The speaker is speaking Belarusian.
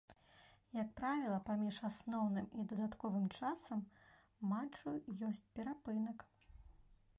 Як правіла, паміж асноўным і дадатковым часам матчу ёсць перапынак.